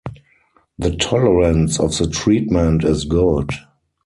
The tolerance of the treatment is good.